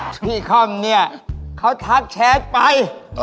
พี่คอมเนี่ยเขาทักแชทไป